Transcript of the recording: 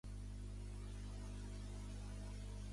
Està protagonitzada per Loretta Young i John Boles.